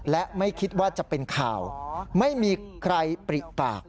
และไม่คิดว่าจะเป็นข่าวไม่มีใครปริปาก